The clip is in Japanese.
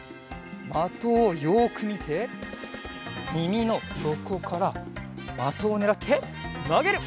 まとをよくみてみみのよこからまとをねらってなげる！